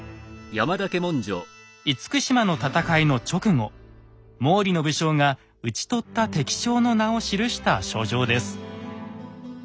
厳島の戦いの直後毛利の武将が討ち取った敵将の名を記した書状です。